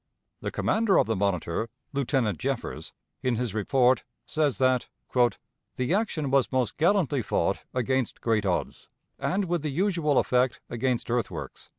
The commander of the Monitor, Lieutenant Jeffers, in his report, says that "the action was most gallantly fought against great odds, and with the usual effect against earthworks."